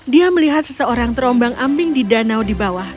dia melihat seseorang terombang ambing di danau di bawah